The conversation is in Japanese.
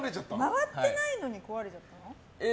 回ってないのに壊れちゃったの？